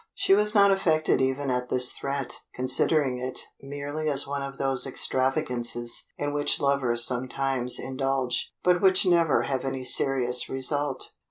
She was not affected even at this threat, considering it merely as one of those extravagances in which lovers sometimes indulge, but which never have any serious result.